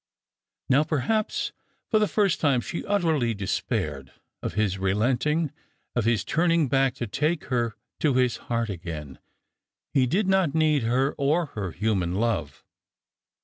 Now, perhaps for the first time, she utterly despaired of his relenting — of his turning back to take her to his heart again. He did not need her or her human love.